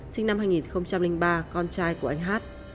sinh năm hai nghìn ba con trai của anh hát